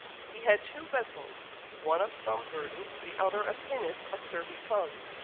He had two vessels one of some burden, the other a pinnace of thirty tons.